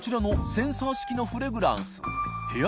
センサー式のフレグランス禀阿